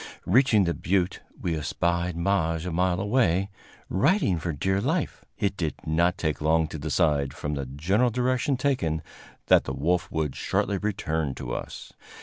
Reaching the butte, we espied Maje a mile away, riding for dear life. It did not take long to decide, from the general direction taken, that the wolf would shortly return to us.